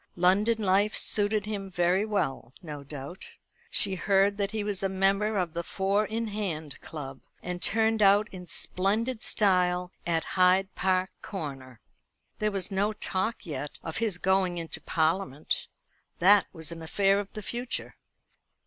London life suited him very well, no doubt. She heard that he was a member of the Four in hand Club, and turned out in splendid style at Hyde Park Corner. There was no talk yet of his going into Parliament. That was an affair of the future.